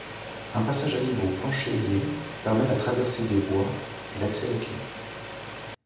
Un passage à niveau planchéié permet la traversée des voies et l'accès aux quais.